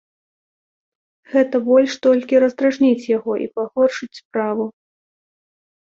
Гэта больш толькі раздражніць яго і пагоршыць справу.